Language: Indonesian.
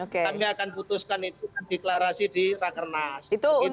kami akan putuskan itu deklarasi di rakernas